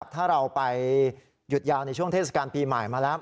ถ้าเราไปหยุดยาวในช่วงเทศกาลปีใหม่มาแล้ว